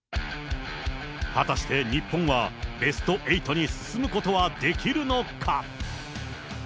果たして日本は、ベスト８に進むことができるのか。